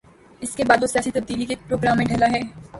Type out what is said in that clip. اس کے بعد وہ سیاسی تبدیلی کے ایک پروگرام میں ڈھلا ہے۔